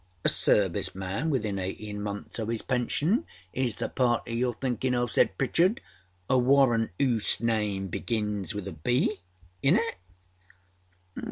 âA service man within eighteen months of his pension, is the party youâre thinkinâ of,â said Pritchard. âA warrant âoose name begins with a V., isnât it?